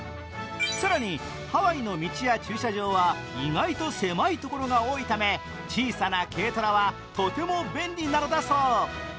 更にハワイの道や駐車場は意外と狭い所が多いため小さな軽トラはとても便利なんだそう。